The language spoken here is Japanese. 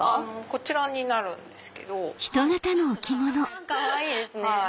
こちらかわいいですね。